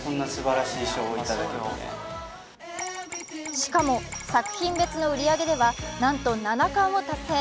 しかも作品別の売り上げではなんと七冠を達成。